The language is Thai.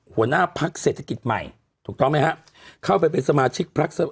หัวหน้าภักดิ์เศรษฐกิจใหม่ถูกต้องมั้ยฮะเข้าไปเป็นสมาชิกภรรชรัฐ